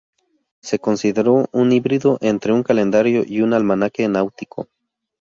Se consideró un híbrido entre un calendario y un almanaque náutico.